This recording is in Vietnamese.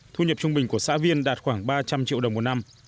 thu nhập trung bình của xã viên đạt khoảng ba trăm linh triệu đồng một năm